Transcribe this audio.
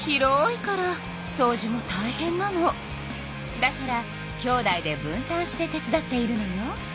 だからきょうだいで分たんして手伝っているのよ。